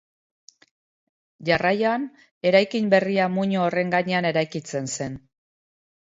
Jarraian, eraikin berria muino horren gainean eraikitzen zen.